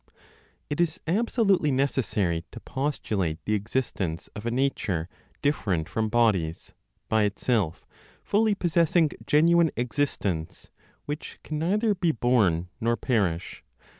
It is absolutely necessary to postulate the existence of a nature different from bodies, by itself fully possessing genuine existence, which can neither be born nor perish.